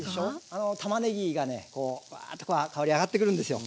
あのたまねぎがねふわっとこう香り上がってくるんですよ。